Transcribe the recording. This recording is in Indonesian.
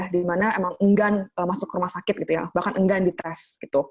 di mana memang enggan masuk ke rumah sakit bahkan enggan dites